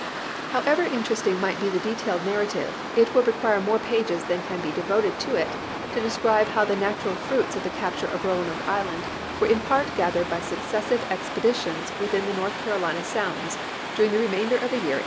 However interesting might be the detailed nar rative, it would require more pages than can be devoted to it to describe how the natural fruits of the capture of Roanoke Island were in part gath ered by successive expeditions within the North Carolina sounds during the remainder of the year 1862.